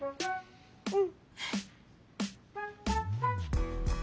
うん。